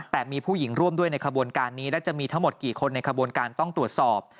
แต่มีผู้หญิงร่วมด้วยในขบวนการนี้และจะมีทั้งหมดกี่คนในขบวนการต้องตรวจสอบ